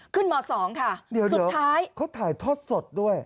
ขึ้นม๒ค่ะสุดท้ายเดี๋ยวเขาถ่ายทดสดด้วย